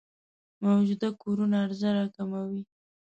موجوده کورونو عرضه راکموي.